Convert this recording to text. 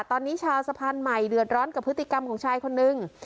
ตอนนี้ชาวสะพานใหม่เดือดร้อนกับพฤติกรรมของชายคนนึง